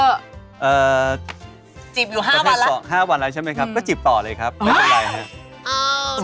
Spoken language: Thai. จีบอยู่๕วันแล้วประเภทสอง๕วันแล้วใช่มั้ยครับก็จีบต่อเลยครับไม่เป็นไรฮะ